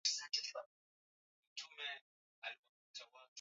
Siku moja kabla wanajeshi waliwaua wapiganaji wnane wa